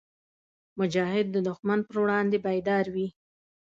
مجاهد د دښمن پر وړاندې بیدار وي.